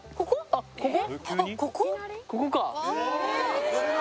あっここ？